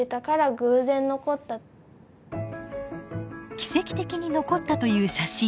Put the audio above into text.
奇跡的に残ったという写真。